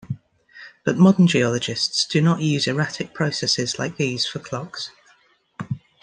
But modern geologists do not use erratic processes like these for clocks.